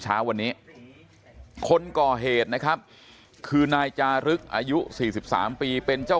เช้าวันนี้คนก่อเหตุนะครับคือนายจารึกอายุ๔๓ปีเป็นเจ้า